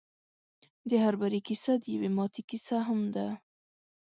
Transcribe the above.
د هر بري کيسه د يوې ماتې کيسه هم ده.